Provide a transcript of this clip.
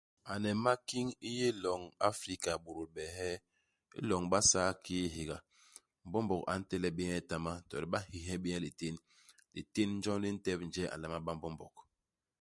Ane i makiñ i yé i loñ i Afrika ibôdôl beehee. I loñ i Basaa kiki hihéga, Mbombog a ntelep bé nyetama, to le ba nhihe bé nye litén. Litén jon li ntép njee a nlama ba Mbombog.